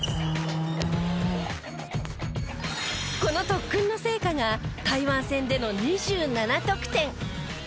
この特訓の成果が台湾戦での２７得点。